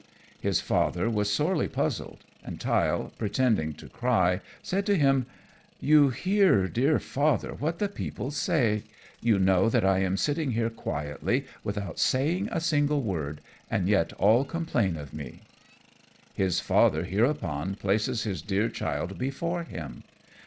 His father was sorely puzzled; and Tyll, pretending to cry, said to him, "You hear, dear Father, what the people say. You know that I am sitting here quietly, without saying a single word, and yet all complain of me." His father hereupon places his dear child before him.